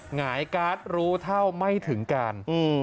หงายการ์ดรู้เท่าไม่ถึงการ